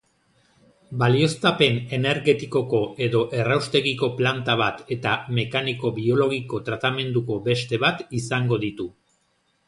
Balioztapen energetikoko edo erraustegiko planta bat eta mekaniko-biologiko tratamenduko beste bat izango ditu.